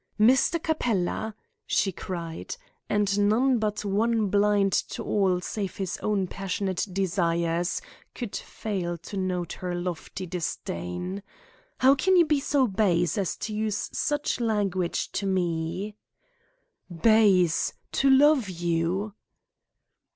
"Mr. Capella," she cried, and none but one blind to all save his own passionate desires could fail to note her lofty disdain, "how can you be so base as to use such language to me?" "Base! To love you!"